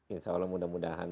insya allah mudah mudahan